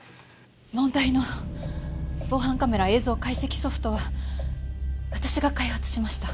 問題の防犯カメラ映像解析ソフトは私が開発しました。